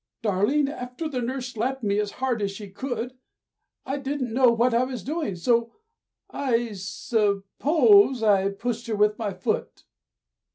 "Darling, after nurse slapped me as hard as she could, I didn't know what I was doing, so I suppose I pushed her with my foot."